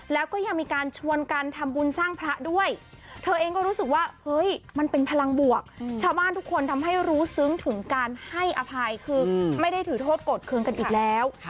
แล้วก็ยังมีการชวนกันทำบุญสร้างพระด้วยเธอเองก็รู้สึกว่าเฮ้ยมันเป็นพลังบวกชาวบ้านทุกคนทำให้รู้ซึ้งถึงการให้อภัยคือไม่ได้ถือโทษโกรธเครื่องกันอีกแล้ว